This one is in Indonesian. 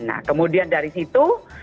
nah kemudian dari situ